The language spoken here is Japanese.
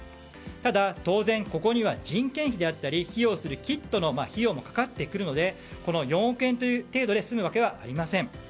ただ、当然ここには人件費であったりキットの費用もかかってくるのでこの４億円という程度で済むわけはありません。